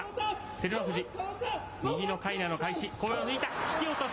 照ノ富士、右のかいなの返し。